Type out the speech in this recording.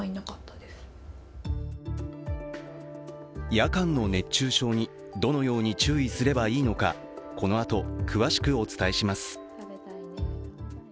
夜間の熱中症にどのように注意すればいいのかこのあと詳しくお伝えします。